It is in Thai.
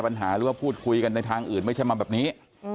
ปัญหาเรื่องพูดคุยกันในทางอื่นไม่ใช่มาแบบนี้